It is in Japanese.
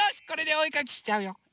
これでおえかきしちゃうよ。